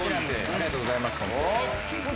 ありがとうございます。